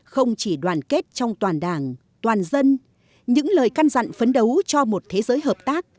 không chỉ đoàn kết trong toàn đảng toàn dân những lời căn dặn phấn đấu cho một thế giới hợp tác